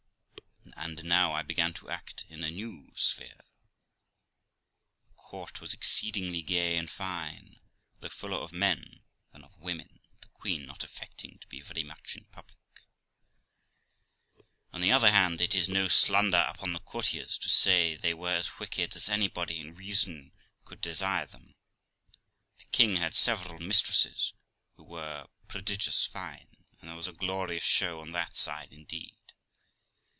And now I began to act in a new sphere. The court was exceedingly gay and fine, though fuller of men than of women, the queen not affecting to be very much in public. On the other hand, h is no slander upon the courtiers to say, they were as wicked as anybody in reason could desire them. The king had several mistresses, who were prodigious fine, and there was a glorious show on that side indeed.